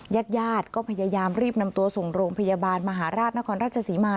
ญาติญาติก็พยายามรีบนำตัวส่งโรงพยาบาลมหาราชนครราชศรีมา